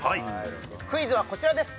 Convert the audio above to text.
クイズはこちらです